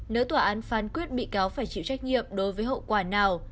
nếu tòa án phán quyết bị cáo phải chịu trách nhiệm đối với hậu quả nào